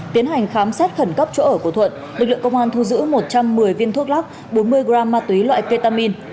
tiến hành khám xét khẩn cấp chỗ ở của thuận lực lượng công an thu giữ một trăm một mươi viên thuốc lắc bốn mươi gram ma túy loại ketamin